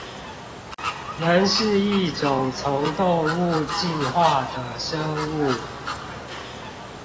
人是一種從動物進化的生物